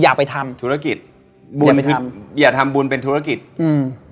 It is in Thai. อย่าไปทำธุรกิจบุญคืออย่าทำบุญเป็นธุรกิจอืม